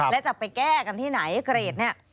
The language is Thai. และจะไปแก้กันที่ไหนเกรต